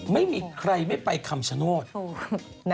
ไม่มีใครไม่ไปคำประโยชน์